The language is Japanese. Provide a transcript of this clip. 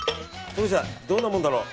どんなもんだろう。